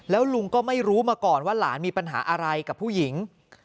แล้วลุงก็ไม่รู้มาก่อนว่าหลานมีปัญหาอะไรกับผู้หญิง